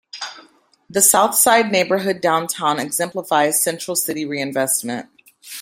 The Southside neighborhood downtown exemplifies central-city reinvestment.